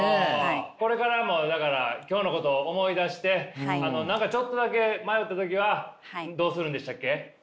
これからもだから今日のことを思い出して何かちょっとだけ迷った時はどうするんでしたっけ？